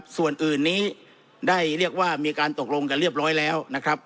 ส่วนอื่นนี้ได้เรียกว่ามีการตกลงกันเรียบร้อยแล้วนะครับ